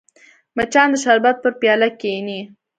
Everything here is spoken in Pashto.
مچان د شربت پر پیاله کښېني